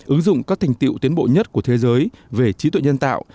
ứng dụng các thành tiệu tiến bộ nhất của thế giới về trí tuệ nhân tạo